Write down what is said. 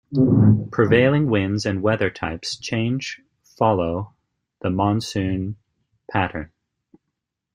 Prevailing winds and weather types change follow the monsoon pattern.